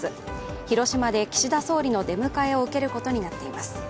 広島で岸田総理の出迎えを受けることになっています。